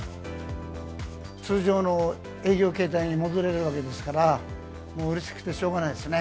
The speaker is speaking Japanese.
通常の営業形態に戻れるわけですから、もううれしくてしょうがないですね。